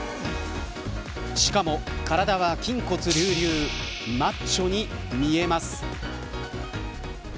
しかも、体は筋骨隆々マッチョに見えます。